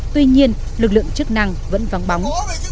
tuy nhiên lực lượng chức năng vẫn vắng bóng